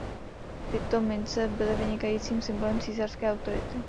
Tyto mince byly vynikajícím symbolem císařské autority.